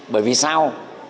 bởi vì sao